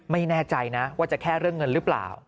ไม่แน่ใจนะว่าจะแค่เรื่องเงินหรือเปล่า